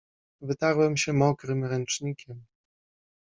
Wytarłem się mokrym ręcznikiem.